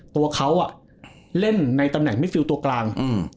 ตัวเขาอ่ะเล่นในตำแหน่งมิดฟิลตัวกลางอืม